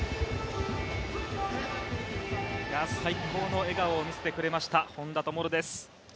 最高の笑顔を見せてくれました本多灯です。